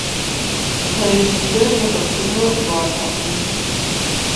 Пэж дыджыр зэхэпхыну гуапэкъым.